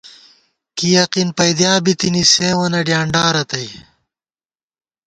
کی یقین پَئیدِیا بِتِنی، سیوں وَنہ ڈیانڈارتئ